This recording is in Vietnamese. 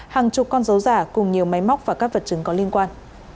hàng chục con dấu giả cùng nhiều máy móc và các vật chứng có liên quan